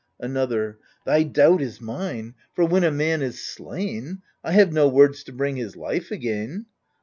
Another Thy doubt is mine : for when a man is slain, I have no words to bring his life again.